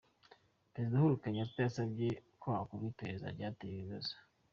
Perezida Uhuru Kenyatta yasabye ko hakorwa iperereza ku cyateye ibi bibazo.